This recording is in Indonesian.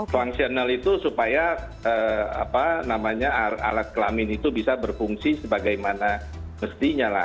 functional itu supaya alat kelamin itu bisa berfungsi sebagaimana mestinya lah